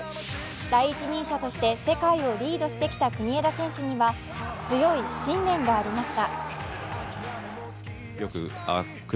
第一人者として世界をリードしてきた国枝選手には強い信念がありました。